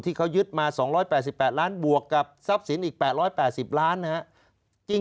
ที่เขายึดมา๒๘๘ล้านบวกกับทรัพย์สินอีก๘๘๐ล้านนะครับ